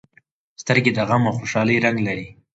سترګې د غم او خوشالۍ رنګ لري